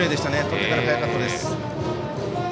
とってからが速かったです。